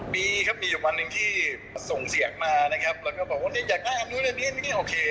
มีครับมีอยู่วันหนึ่งที่ส่งเสียงมานะครับแล้วก็บอกว่าเนี่ยอยากได้อันนู้นอันนี้โอเค